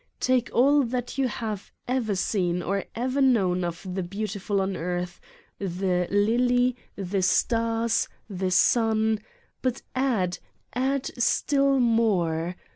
Take all that you have ever seen or ever known of the beauti ful on earth : the lily, the stars, the sun, but add, add still more.